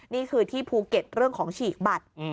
นี่คือที่ภูเก็ตเรื่องของฉีกบัตร